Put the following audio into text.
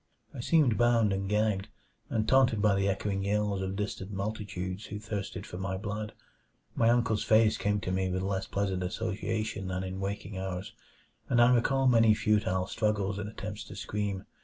I seemed bound and gagged, and taunted by the echoing yells of distant multitudes who thirsted for my blood. My uncle's face came to me with less pleasant association than in waking hours, and I recall many futile struggles and attempts to scream.